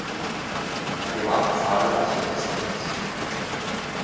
Er gewann zahlreiche Festivals.